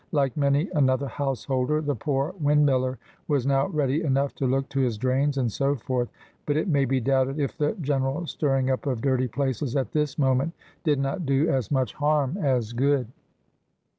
Like many another householder, the poor windmiller was now ready enough to look to his drains, and so forth; but it may be doubted if the general stirring up of dirty places at this moment did not do as much harm as good.